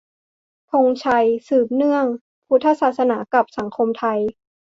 ธงชัย : สืบเนื่อง - พุทธศาสนากับสังคมไทย